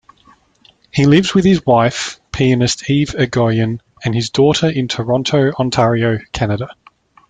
He lives with his wife, pianist Eve Egoyan, and daughter in Toronto, Ontario, Canada.